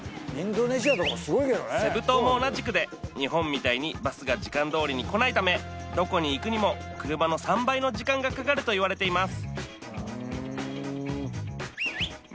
セブ島も同じくで日本みたいにバスが時間どおりに来ないためどこに行くにも車の３倍の時間がかかるといわれています